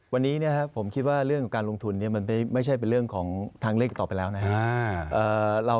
วันนี้ผมคิดว่าเรื่องการลงทุนมันไม่ใช่เป็นเรื่องของทางเลขต่อไปแล้วนะ